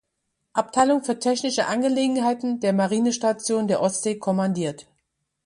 Abteilung „für technische Angelegenheiten“ der Marinestation der Ostsee kommandiert.